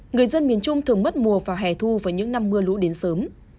người dân miền trung thường mất mùa vào hè thu với những năm mưa lũ đến sớm